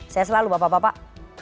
saya selalu bapak bapak